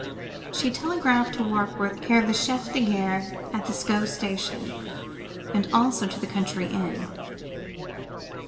She telegraphed to Warkworth, care of the Chef de Gare, at the Sceaux Station, and also to the country inn.